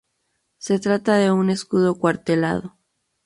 Se trata de un escudo cuartelado.